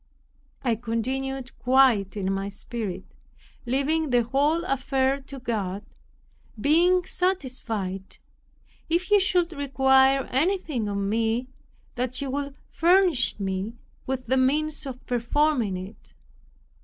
I continued quiet in my spirit, leaving the whole affair to God, being satisfied, if He should require anything of me, that He would furnish me with the means of performing it.